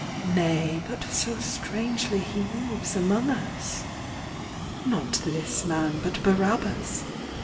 Nay, but so strangely He moves among us. ... Not this Man but Barabbas!